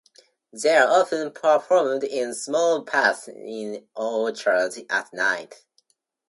They are often performed in small paths in orchards at night.